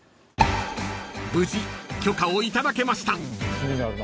［無事許可を頂けました］